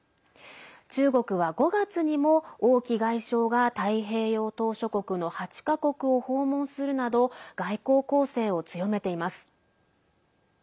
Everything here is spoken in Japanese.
中国は５月にも王毅外相が太平洋島しょ国の８か国を訪問するなど外交攻勢を強めています。